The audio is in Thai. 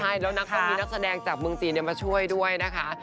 ใช่แล้วนักต้องมีนักแสดงจากเมืองจีนมาช่วยด้วยนะคะ